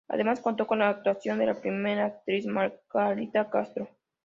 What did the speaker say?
Además contó con la actuación de la primera actriz Margalida Castro.